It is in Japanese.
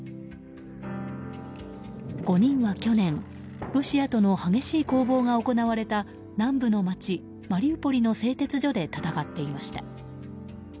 ５人は去年ロシアとの激しい攻防が行われた南部の街マリウポリの製鉄所で戦っていました。